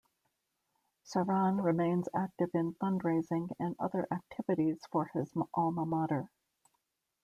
Sarhan remains active in fundraising and other activities for his alma mater.